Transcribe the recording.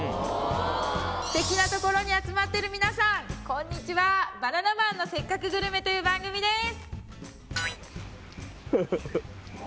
素敵な所に集まってる皆さんこんにちは「バナナマンのせっかくグルメ！！」という番組です